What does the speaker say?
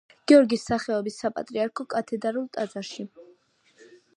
გიორგის სახელობის საპატრიარქო კათედრალურ ტაძარში.